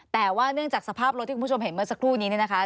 แต่ว่าเนื่องจากสภาพรถที่คุณผู้ชมเห็นเมื่อสักครู่นี้เนี่ยนะคะ